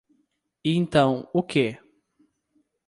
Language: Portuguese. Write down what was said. E então, o que?